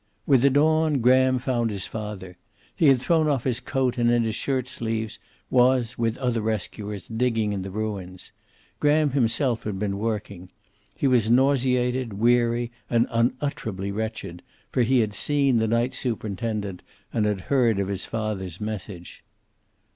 With the dawn Graham found his father. He had thrown off his coat and in his shirt sleeves was, with other rescuers, digging in the ruins. Graham himself had been working. He was nauseated, weary, and unutterably wretched, for he had seen the night superintendent and had heard of his father's message.